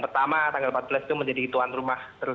pertama tanggal empat belas itu menjadi tuan rumah